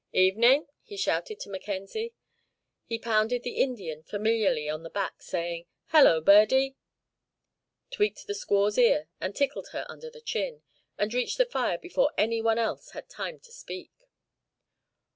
"Evening!" he shouted to Mackenzie. He pounded the Indian familiarly on the back, saying, "Hello, Birdie," tweaked the squaw's ear and tickled her under the chin, and reached the fire before any one else had time to speak.